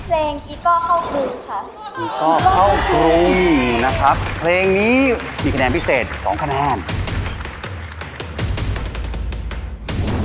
เร็วเร็ว